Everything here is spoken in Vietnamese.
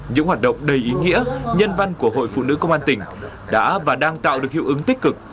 những hoạt động đầy ý nghĩa nhân văn của hội phụ nữ công an tỉnh đã và đang tạo được hiệu ứng tích cực